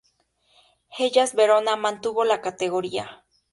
Hellas Verona mantuvo la categoría.